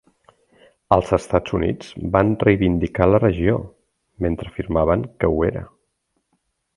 Els Estats Units van reivindicar la regió, mentre afirmaven que ho era.